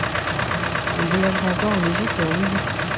Il voyagera encore en Égypte et en Nubie.